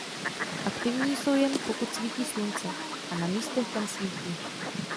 Aktivní jsou jen pokud svítí slunce a na místech kam svítí.